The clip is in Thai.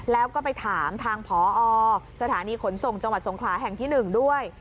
แล้วก็ไปถามทางพอสถานีขนส่งจังหวัดสงขลาแห่งที่๑ด้วย